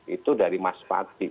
itu dari mas pati